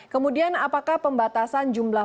kemudian apakah pembatasan jumlah